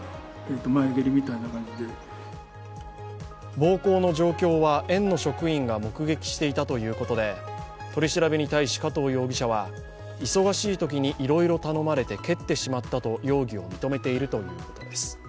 暴行の状況は園の職員が目撃していたということで取り調べに対し加藤容疑者は忙しいときにいろいろ頼まれて蹴ってしまったと容疑を認めているということです。